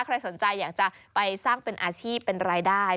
ใครสนใจอยากจะไปสร้างเป็นอาชีพเป็นรายได้